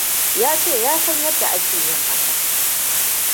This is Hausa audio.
Ya ce ya san yadda ake yin hakan.